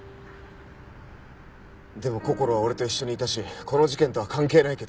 でもこころは俺と一緒にいたしこの事件とは関係ないけど。